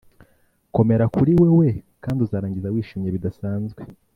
komera kuri wewe kandi uzarangiza wishimye bidasanzwe.